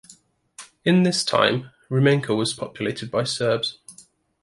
In this time, Rumenka was populated by Serbs.